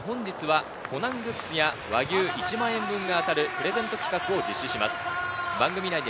さらに本日はコナングッズや和牛１万円分が当たるプレゼント企画を実施します。